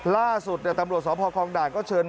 ล่าสุดตำรวจสพคลองด่านก็เชิญ